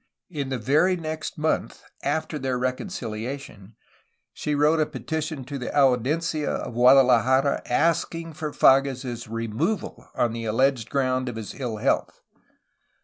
In the very next month after their reconciUation she wrote a petition to the Audiencia of Guadalajara asking for Fages' removal on the alleged ground of his ill health.